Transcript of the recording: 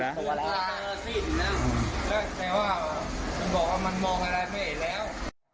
เดิมมามีหนักสิบแต่มันบอกว่ามันมองอะไรไม่เห็นแล้ว